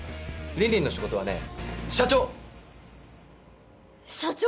リンリンの仕事はね社長社長！？